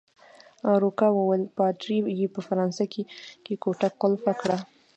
روکا وویل: پادري يې په فرانسه کې کوټه قلف کړه.